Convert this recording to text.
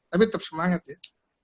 tapi tetap semangat ya